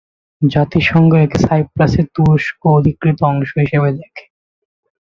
জাতিসংঘ একে সাইপ্রাসের তুরস্ক অধিকৃত অংশ হিসেবে দেখে।